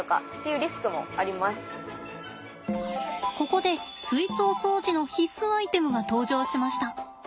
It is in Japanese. ここで水槽掃除の必須アイテムが登場しました。